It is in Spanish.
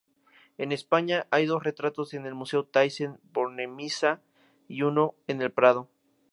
En España, hay dos retratos en el Museo Thyssen-Bornemisza y uno en el Prado.